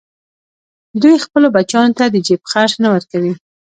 دوی خپلو بچیانو ته د جېب خرڅ نه ورکوي